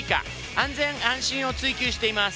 安全安心を追求しています。